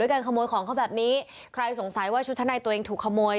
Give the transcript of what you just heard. การขโมยของเขาแบบนี้ใครสงสัยว่าชุดชั้นในตัวเองถูกขโมย